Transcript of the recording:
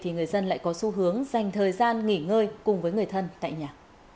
người dân lại có xu hướng dành thời gian nghỉ ngơi cùng với người thân tại nhà